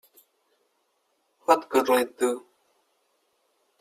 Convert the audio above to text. What good'll it do?